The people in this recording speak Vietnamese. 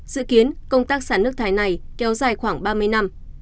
dự kiến công tác xả nước thải này kéo dài khoảng ba mươi năm